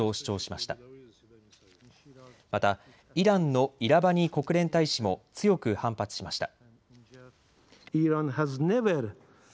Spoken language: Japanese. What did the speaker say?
またイランのイラバニ国連大使も強く反発しました。